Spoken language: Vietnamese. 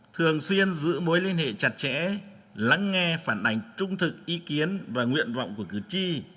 thường xuyên giữ mối liên hệ chặt chẽ lắng nghe phản ảnh trung thực ý kiến và nguyện vọng của cử tri